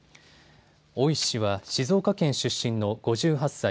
大石氏は静岡県出身の５８歳。